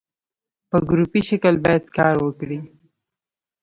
په ګروپي شکل باید کار وکړي.